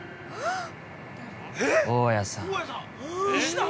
大家さん。